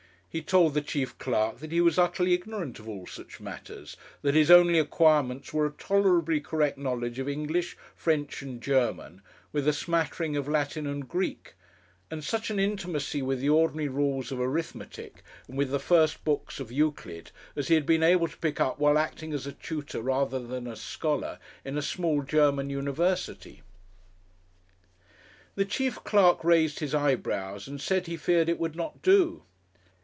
He told the chief clerk that he was utterly ignorant of all such matters, that his only acquirements were a tolerably correct knowledge of English, French, and German, with a smattering of Latin and Greek, and such an intimacy with the ordinary rules of arithmetic and with the first books of Euclid, as he had been able to pick up while acting as a tutor, rather than a scholar, in a small German university. The chief clerk raised his eyebrows and said he feared it would not do.